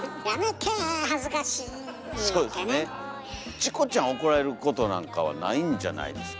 チコちゃん怒られることなんかはないんじゃないですか？